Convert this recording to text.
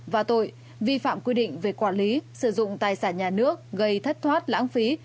và tội vi phạm quy định về quản lý sử dụng tài sản nhà nước gây thất thoát lãng phí